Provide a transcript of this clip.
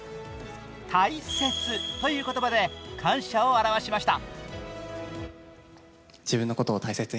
「大切」という言葉で感謝を表しました。